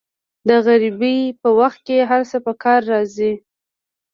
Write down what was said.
د غریبۍ په وخت کې هر څه په کار راځي.